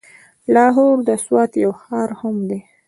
لاهور د سوات يو ښار هم دی.